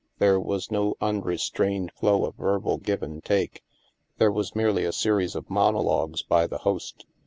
There was no unrestrained flow of verbal give and take. There was merely a series of monologues by the host.